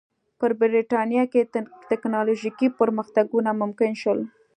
په برېټانیا کې ټکنالوژیکي پرمختګونه ممکن شول.